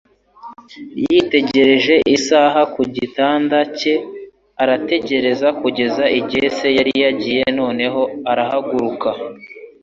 Yitegereje isaha ku gitanda cye, arategereza kugeza igihe se yari yagiye noneho arahaguruka.